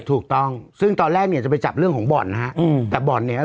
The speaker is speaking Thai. ถูกต้องซึ่งตอนแรกเนี่ยจะไปจับเรื่องของบ่อนนะฮะอืมแต่บ่อนเนี้ย